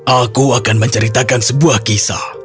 aku akan menceritakan sebuah kisah